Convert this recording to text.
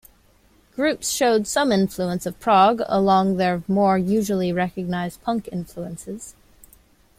Groups showed some influence of prog along with their more usually recognised punk influences.